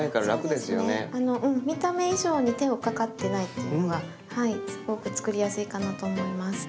見た目以上に手をかかってないっていうのがすごく作りやすいかなと思います。